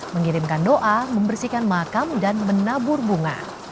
mengirimkan doa membersihkan makam dan menabur bunga